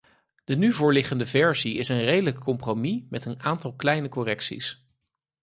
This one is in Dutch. De nu voorliggende versie is een redelijk compromis met een aantal kleine correcties.